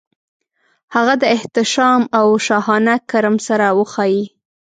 هغه د احتشام او شاهانه کرم سره وښايي.